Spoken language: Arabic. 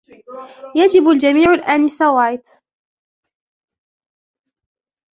يجب الجميعُ الآنسة وايت.